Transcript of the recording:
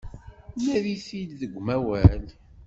Nadi-t-id deg umawal.